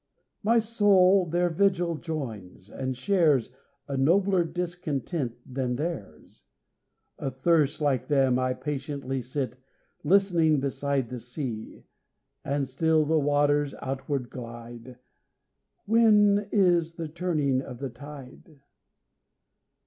My soul their vigil joins, and shares A nobler discontent than theirs; Athirst like them, I patiently Sit listening beside the sea, And still the waters outward glide: When is the turning of the tide?